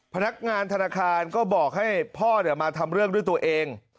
พนักงานธนาคารก็บอกให้พ่อมาทำเรื่องด้วยตัวเอง